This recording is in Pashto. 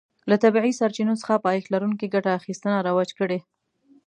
له طبیعي سرچینو څخه پایښت لرونکې ګټه اخیستنه رواج کړي.